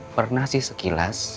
pernah sih sekilas